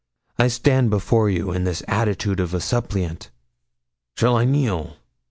I stand before you in the attitude of a suppliant shall I kneel?'